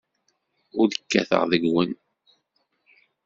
Ur d-kkateɣ deg-wen.